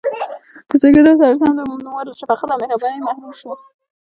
له زېږېدو سره سم د مور له شفقت او مهربانۍ محروم شو.